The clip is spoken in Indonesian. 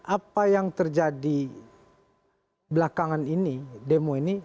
apa yang terjadi belakangan ini demo ini